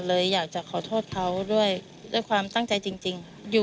เลยอยากจะขอโทษเขาด้วยความตั้งใจจริง